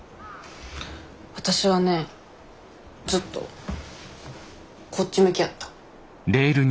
わたしはねずっとこっち向きやった。